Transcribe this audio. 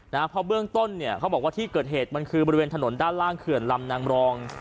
เพราะเบื้องต้นเนี่ยเขาบอกว่าที่เกิดเหตุมันคือบริเวณถนนด้านล่างเขื่อนลำนางรอง